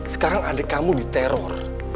sekarang adik kamu diteror